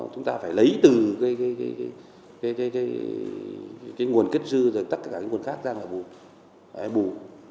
chúng ta phải lấy từ cái nguồn kết dư rồi tất cả cái nguồn khác ra ngoài buộc